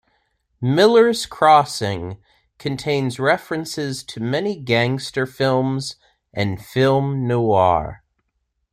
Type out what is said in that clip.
"Miller's Crossing" contains references to many gangster films and film noir.